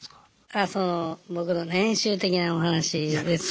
あその僕の年収的なお話ですか？